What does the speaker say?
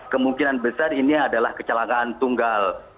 kemungkinan besar ini adalah kecelakaan tunggal